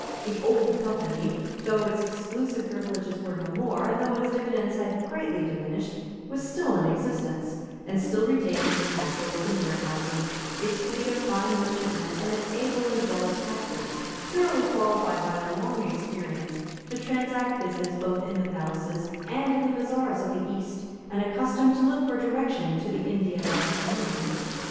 The Old Company, though its exclusive privileges were no more, and though its dividends had greatly diminished, was still in existence, and still retained its castles and warehouses, its fleet of fine merchantmen, and its able and zealous factors, thoroughly qualified by a long experience to transact business both in the palaces and in the bazaars of the East, and accustomed to look for direction to the India House alone.